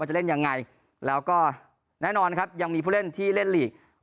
จะเล่นอย่างไรแล้วก็แน่นอนครับยังมีผู้เล่นที่แรงลีกวาทิศอยู่